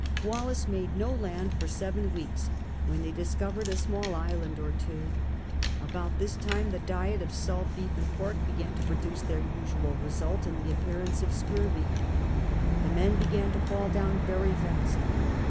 Wallis made no land for seven weeks, when they dis covered a small island or two. About this time the diet of salt beef and pork began to 2>roduce their usual result in the appearance of scurvy. The men began to fall down very fast.